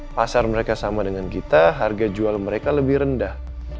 pasar mereka sama dengan kita harga jual mereka lebih rendah